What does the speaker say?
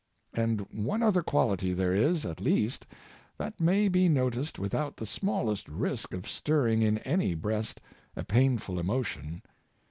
And one other quality there is, at least, that may be noticed without the smallest risk of stirring in any breast a painful emotion.